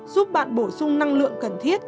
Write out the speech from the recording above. giúp bạn bổ sung năng lượng cần thiết